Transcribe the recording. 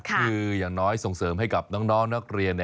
คืออย่างน้อยส่งเสริมให้กับน้องนักเรียน